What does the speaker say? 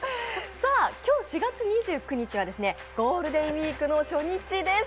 今日４月２９日はゴールデンウイークの初日です。